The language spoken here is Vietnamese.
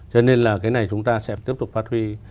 cho nên là cái này chúng ta sẽ tiếp tục phát huy